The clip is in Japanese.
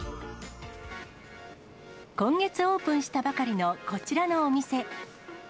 今月オープンしたばかりのこちらのお店。